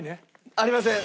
ありません。